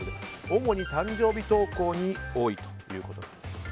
主に誕生日投稿に多いということなんです。